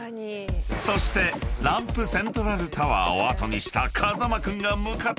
［そしてランプセントラルタワーを後にした風間君が］あっ！